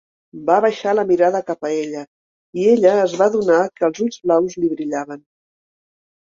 Va abaixar la mirada cap a ella, i ella es va adonar que els ulls blaus li brillaven.